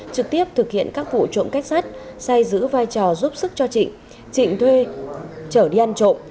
trực tiếp thực hiện các vụ trộm cách sát say giữ vai trò giúp sức cho trịnh trịnh thuê trở đi ăn trộm